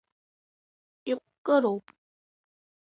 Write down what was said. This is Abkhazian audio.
Иҟәкыроуп.